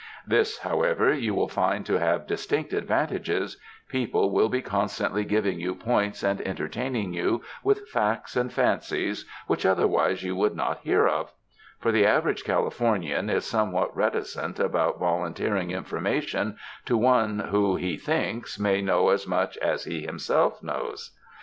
This, however, you will find to have distinct advantages ; people will be constantly giving you points and entertaining you with facts and fancies which otherwise you would not hear of; for the average Californian is somewhat reticent about volunteering information to one who, he thinks, may know as much as he himself knows.